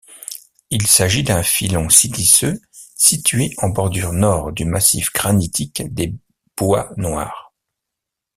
Il s’agit d’un filon siliceux situé en bordure nord du massif granitique des Bois-Noirs.